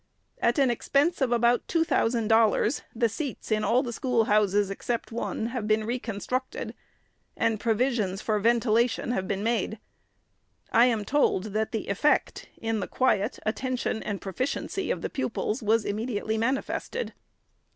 At an expense of about two thousand dollars, the seats in all the school houses, except one, have been reconstructed, and provi sions for ventilation have been made. I am told, that the effect in the quiet, attention and proficiency of the pupils, was immediately manifested.